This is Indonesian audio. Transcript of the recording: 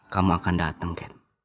kamu akan datang